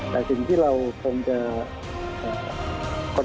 แต่สิ่งที่เราคงจะ